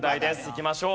いきましょう。